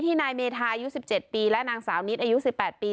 ที่นายเมธาอายุสิบเจ็ดปีและนางสาวนิดอายุสิบแปดปี